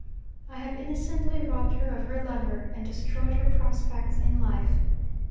I have innocently robbed her of her lover, and destroyed her prospects in life.